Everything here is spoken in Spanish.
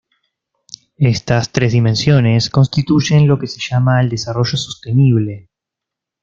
Estas tres dimensiones constituyen lo que se llama el desarrollo sostenible.